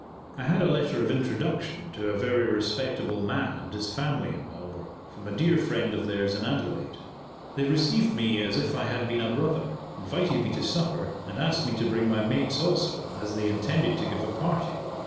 I had a letter of introduction to a very respectable man and his family in Melbourne, from a dear friend of theirs in Adelaide. They received me as if I had been a brother, invited me to supper, and asked me to bring my mates also, as they intended to give a party.